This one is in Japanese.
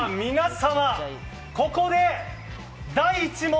皆様ここで第１問。